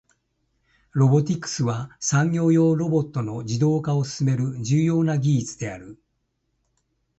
ロボティクスは、産業用ロボットの自動化を進める重要な技術である。